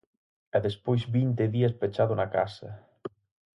E despois vinte días pechado na casa.